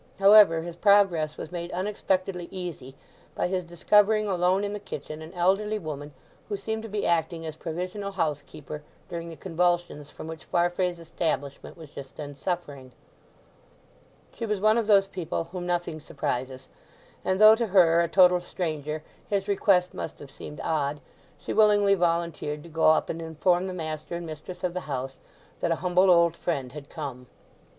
However, his progress was made unexpectedly easy by his discovering alone in the kitchen an elderly woman who seemed to be acting as provisional housekeeper during the convulsions from which Farfrae's establishment was just then suffering. She was one of those people whom nothing surprises, and though to her, a total stranger, his request must have seemed odd, she willingly volunteered to go up and inform the master and mistress of the house that "a humble old friend" had come.